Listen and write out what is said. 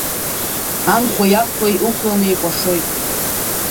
Анхәеи абхәеи ықәланы икәашоит.